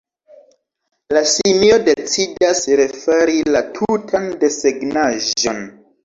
La simio decidas refari la tutan desegnaĵon.